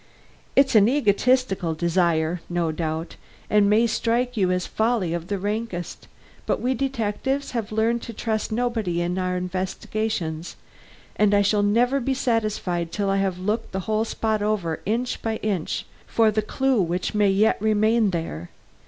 It's an egotistical desire, no doubt and may strike you as folly of the rankest but we detectives have learned to trust nobody in our investigations, and I shall never be satisfied till I have looked this whole spot over inch by inch for the clue which may yet remain there.